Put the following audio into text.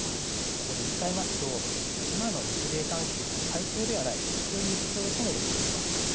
これ、言い換えますと、今の日米関係は対等ではないという主張とも読み取れます。